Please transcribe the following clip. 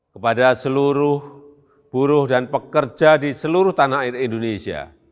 kepada seluruh buruh dan pekerja di seluruh tanah air indonesia